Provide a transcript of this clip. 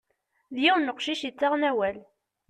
D yiwen n uqcic yettaɣen awal.